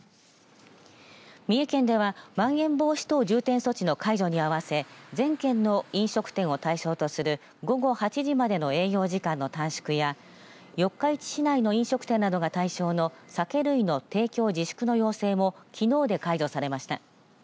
三重県ではまん延防止等重点措置の解除に合わせ全県の飲食店を対象とする午後８時までの営業時間の短縮や四日市市内の飲食店などが対象の酒類の提供自粛の要請もきのうで解除されました。